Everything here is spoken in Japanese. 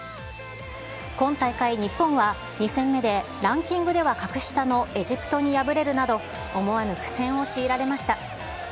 今大会、日本は、２戦目でランキングでは格下のエジプトに敗れるなど、思わぬ苦戦を強いられました。